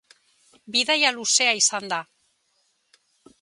Bidaia luzea izan da.